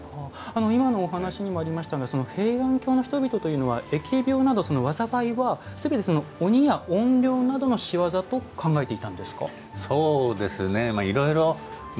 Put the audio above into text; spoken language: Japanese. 今のお話にもありましたが平安京の人々というのは疫病など災いはすべて鬼や怨霊などの仕業だと考えていたんですか。